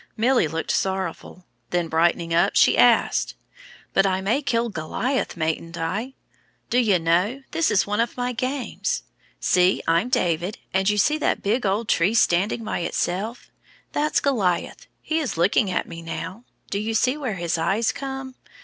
Milly looked sorrowful; then brightening up, she asked "But I may kill Goliath, mayn't I? Do you know that is one of my games. See, I'm David, and you see that big old tree standing by itself? That's Goliath. He is looking at me now. Do you see where his eyes come?